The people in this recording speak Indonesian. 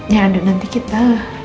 ya ada nanti kita